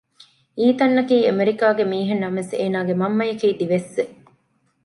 އީތަންއަކީ އެމެރިކާގެ މީހެއް ނަމަވެސް އޭނާގެ މަންމައަކީ ދިވެއްސެއް